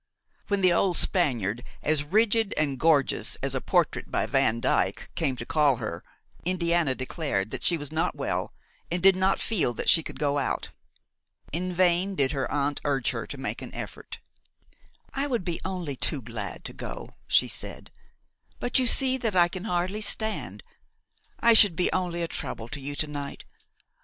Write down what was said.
When the old Spaniard, as rigid and gorgeous as a portrait by Van Dyck, came to call her, Indiana declared that she was not well and did not feel that she could go out. In vain did her aunt urge her to make an effort. "I would be only too glad to go," she said, "but you see that I can hardly stand. I should be only a trouble to you to night.